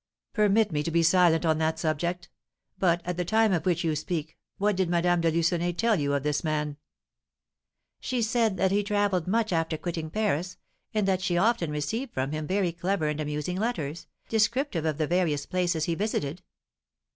"Permit me to be silent on that subject. But, at the time of which you speak, what did Madame de Lucenay tell you of this man?" "She said that he travelled much after quitting Paris, and that she often received from him very clever and amusing letters, descriptive of the various places he visited.